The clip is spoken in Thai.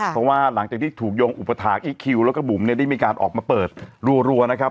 เพราะว่าหลังจากที่ถูกโยงอุปถาคอีคคิวแล้วก็บุ๋มเนี่ยได้มีการออกมาเปิดรัวนะครับ